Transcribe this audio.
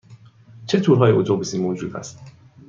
چه تورهای اتوبوسی موجود است؟